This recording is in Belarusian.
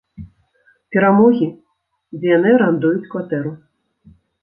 Перамогі, дзе яны арандуюць кватэру.